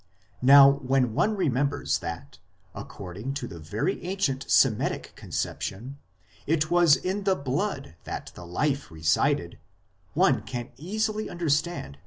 1 Now when one remembers that, according to the very ancient Semitic conception, it was in the blood that the life resided, 8 one can easily under 1 Cp.